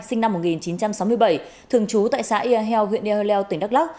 sinh năm một nghìn chín trăm sáu mươi bảy thường trú tại xã ia heo huyện ia heo leo tỉnh đắk lắc